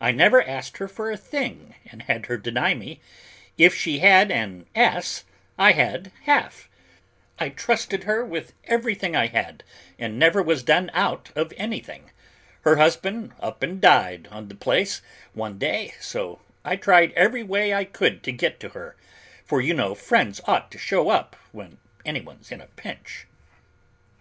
I never asked her for a thing and had her deny me; if she had an as, I had half. I trusted her with everything I had and never was done out of anything. Her husband up and died on the place, one day, so I tried every way I could to get to her, for you know friends ought to show up when anyone's in a pinch."